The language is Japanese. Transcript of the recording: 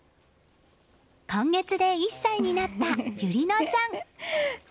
今月で１歳になった友里乃ちゃん。